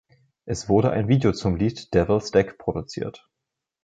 Es wurde ein Video zum Lied „Devil's Deck“ produziert.